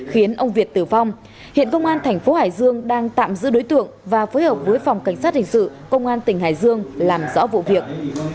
khiến ông việt tử vong hiện công an thành phố hải dương đang tạm giữ đối tượng và phối hợp với phòng cảnh sát hình sự công an tỉnh hải dương làm rõ vụ việc